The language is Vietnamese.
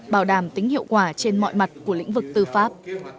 bảo đảm tính hiệu quả trên mọi mặt của lĩnh vực tư pháp